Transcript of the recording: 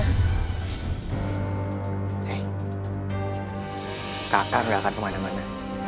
hei kakak juga akan kemana mana